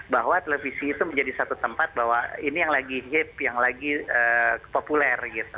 bahwa televisi itu menjadi satu tempat bahwa ini yang lagi hip yang lagi populer gitu